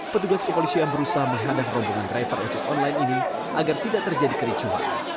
petugas kepolisi yang berusaha menghadang rombongan driver ojek online ini agar tidak terjadi kericuan